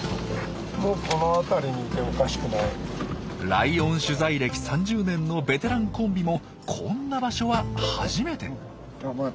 ライオン取材歴３０年のベテランコンビもこんな場所は初めて。